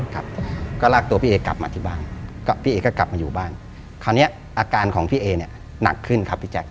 ครับก็ลากตัวพี่เอกลับมาที่บ้านก็พี่เอก็กลับมาอยู่บ้านคราวนี้อาการของพี่เอเนี่ยหนักขึ้นครับพี่แจ๊